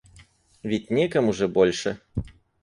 Ведь некому же больше?